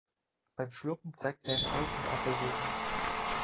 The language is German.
Beim Schlucken zeigt sie eine Auf- und Abbewegung.